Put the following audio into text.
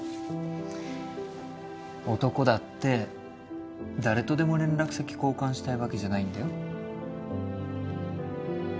男だって誰とでも連絡先交換したいわけじゃないんだよ。